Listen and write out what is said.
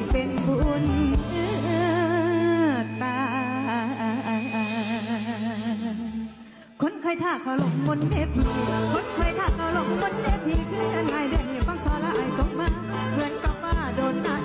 เพราะว่าเป็นที่ลูกห่วงหลังสออาย